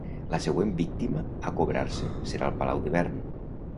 La següent víctima a cobrar-se, serà el Palau d'Hivern.